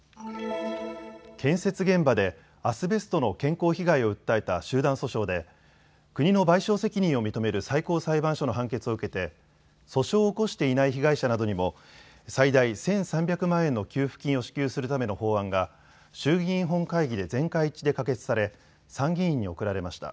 建設現場でアスベストの健康被害を訴えた集団訴訟で国の賠償責任を認める最高裁判所の判決を受けて訴訟を起こしていない被害者などにも最大１３００万円の給付金を支給するための法案が衆議院本会議で全会一致で可決され、参議院に送られました。